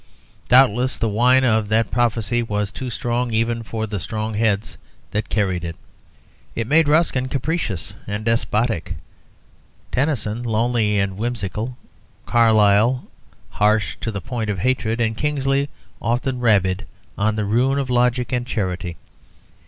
Doubtless the wine of that prophecy was too strong even for the strong heads that carried it. It made Ruskin capricious and despotic, Tennyson lonely and whimsical, Carlyle harsh to the point of hatred, and Kingsley often rabid to the ruin of logic and charity.